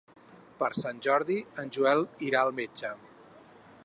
Per Sant Jordi en Joel irà al metge.